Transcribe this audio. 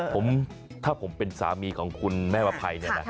เออทะผมผมเป็นสามีของคุณแม่ประภัยเนี่ยนะ